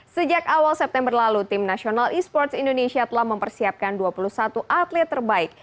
sejak awal september lalu tim nasional e sports indonesia telah mempersiapkan dua puluh satu atlet terbaik